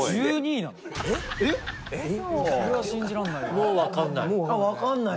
もう、わかんない。